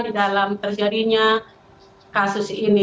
di dalam terjadinya kasus ini